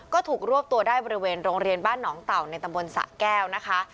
ก็ถูกรวบตัวได้บริเวณโรงเรียนบ้านหนองเต่าในตำบลสะแก้วนะคะ